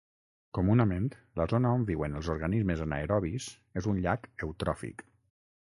Comunament la zona on viuen els organismes anaerobis és un llac eutròfic.